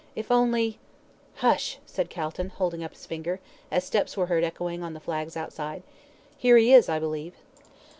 If only " "Hush!" said Calton, holding up his finger, as steps were heard echoing on the flags outside. "Here he is, I believe."